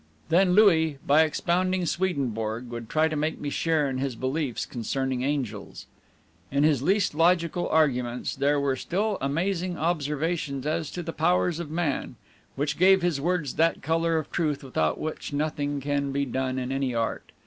Then Louis, by expounding Swedenborg, would try to make me share in his beliefs concerning angels. In his least logical arguments there were still amazing observations as to the powers of man, which gave his words that color of truth without which nothing can be done in any art.